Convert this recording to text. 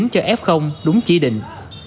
cho f đúng chỉ định